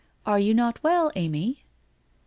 ' Are you not well, Amy ?